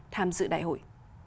tham dự đại hội